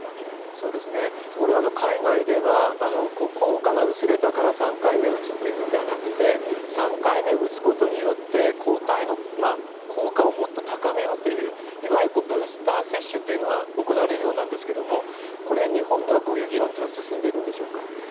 そうですね、これは海外では効果が薄れたから３回目を打つというのではなくて、３回目を打つことによって抗体の効果をもっと高めようという、いわゆるブースター接種というのが行われるようなんですけれども、これ、日本ではこういう議論というのは進んでいるんでしょうか。